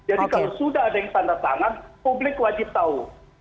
jadi kalau sudah ada yang tanda tangan publik wajib tahu